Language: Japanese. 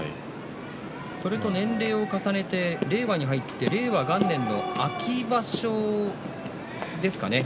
年齢を重ねて令和になって令和元年の秋場所ですかね。